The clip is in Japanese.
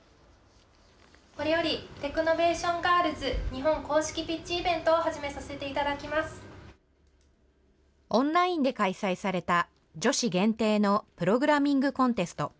これよりテクノベーションガールズ、日本公式ピッチイベントオンラインで開催された女子限定のプログラミングコンテスト。